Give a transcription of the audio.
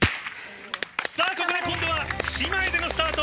さあ、ここで今度は姉妹でのスタート。